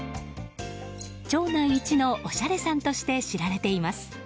町内一のおしゃれさんとして知られています。